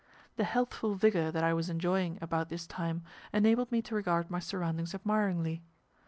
The healthful vigor that I was enjoying about this time enabled me to regard my surroundings admiringly.